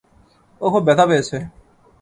ও খুব ব্যথা পেয়েছে।